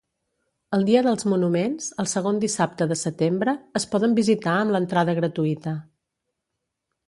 El Dia dels Monuments, el segon dissabte de setembre, es poden visitar amb l'entrada gratuïta.